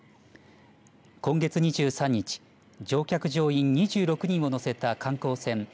今月２３日乗客乗員２６人を乗せた観光船